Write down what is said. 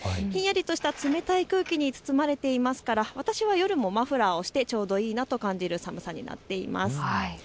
ひんやりとした冷たい空気に包まれていますから私は夜もマフラーをしてちょうどいいなと感じる寒さになっています。